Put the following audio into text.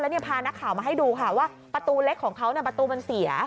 แล้วพานักข่าวมาให้ดูค่ะว่าประตูเล็กของเขาประตูมันเสีย